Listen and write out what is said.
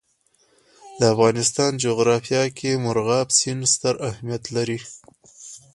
د افغانستان جغرافیه کې مورغاب سیند ستر اهمیت لري.